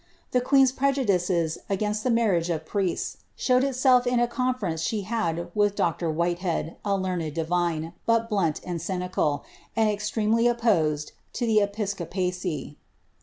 The queen's preju dices against the marriage of priests showed itself in a conference she bad with Dr. Whitehead, a learned divine, but blunt and cynical, and extremely opposed to the episcopacy.